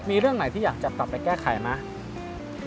มีเรื่องไหนที่อยากจะกลับไปแก้ไขไหม